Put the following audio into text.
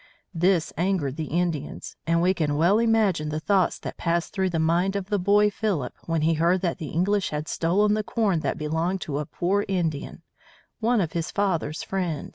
This angered the Indians, and we can well imagine the thoughts that passed through the mind of the boy Philip when he heard that the English had stolen the corn that belonged to a poor Indian, one of his father's friends.